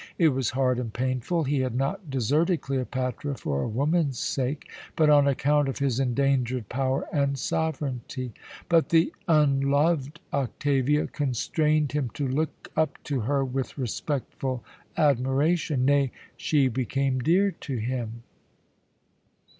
It was hard and painful. He had not deserted Cleopatra for a woman's sake, but on account of his endangered power and sovereignty. But the unloved Octavia constrained him to look up to her with respectful admiration nay, she became dear to him.